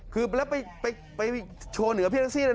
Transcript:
คือแล้วไปไปไปโชว์เหนือพี่เลยนะเอ่อ